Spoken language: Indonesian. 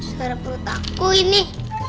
suara perut aku ini